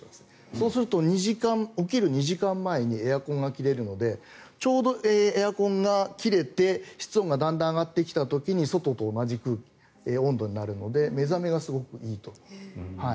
そうすると起きる２時間前にエアコンが切れるのでちょうどエアコンが切れて室温がだんだん上がってきた時に外と同じ温度になるので目覚めがすごくいいと。